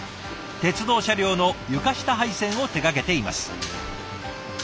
鉄道車両の床下配線を手がけています。